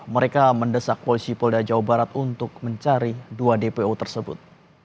mereka mendesak polisi polda jawa barat untuk mencari dua dpo tersebut